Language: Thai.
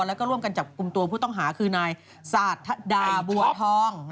แล้วก็ร่วมกันจับกลุ่มตัวผู้ต้องหาคือนายสาธาดาบัวทอง